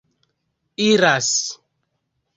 iras